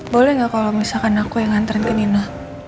boleh nggak kalau misalkan aku yang nganterin ke nina